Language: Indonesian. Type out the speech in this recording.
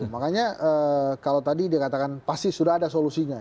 makanya kalau tadi dikatakan pasti sudah ada solusinya